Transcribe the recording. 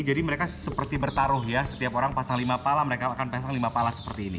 jadi mereka seperti bertaruh ya setiap orang pasang lima pala mereka akan pasang lima pala seperti ini